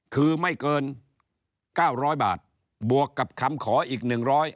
คือไม่เกิน๙๐๐บาทบวกกับคำขออีกหนึ่งร้อย